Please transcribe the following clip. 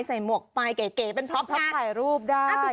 ใส่หมวกปลายเก๋เป็นพร้อมการถ่ายรูปได้